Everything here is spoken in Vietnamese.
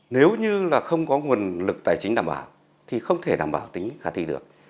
nếu như là không có nguồn lực tài chính đảm bảo thì không thể đảm bảo tính khả thi được